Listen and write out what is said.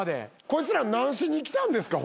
こいつら何しに来たんですか？